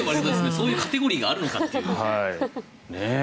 そういうカテゴリーがあるのかという。